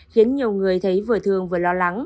khiến nhiều người thấy vừa thương vừa lo